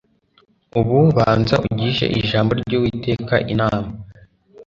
ubu banza ugishe ijambo ryUwiteka inama